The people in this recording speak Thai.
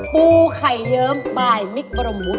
ปูไข่เยิ้มปลายมิกประมุท